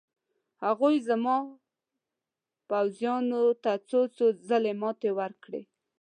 هغوی زما پوځیانو ته څو څو ځله ماتې ورکړې.